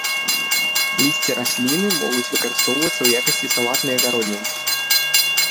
Лісце расліны могуць выкарыстоўвацца ў якасці салатнай гародніны.